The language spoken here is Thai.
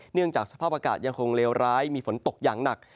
เนื่องจากสภาพอากาศยังคงเลวร้ายมีฝนตกอย่างหนัก